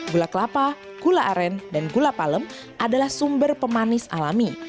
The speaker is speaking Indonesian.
gula kelapa gula aren dan gula palem adalah sumber pemanis alami